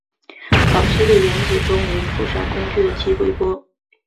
早期的原子钟为附上工具的激微波。